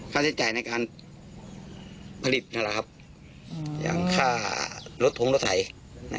ข้าจะจ่ายในการผลิตนะครับอย่างข้ารถถงรถไถ